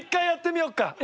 やってみようか。